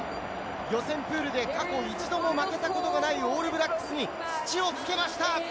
予選プールで過去一度も負けたことがないオールブラックスに土をつけました。